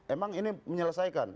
emang ini menyelesaikan